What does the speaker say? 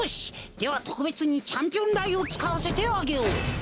ではとくべつにチャンピオンだいをつかわせてあげよう。